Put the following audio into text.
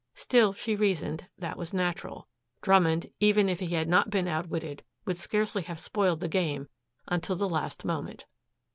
Still, she reasoned, that was natural. Drummond, even if he had not been outwitted, would scarcely have spoiled the game until the last moment.